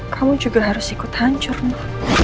kamu juga harus ikut hancur ma